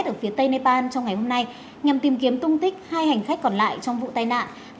ở phía tây nepal trong ngày hôm nay nhằm tìm kiếm tung tích hai hành khách còn lại trong vụ tai nạn